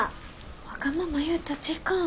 わがまま言うたちいかん。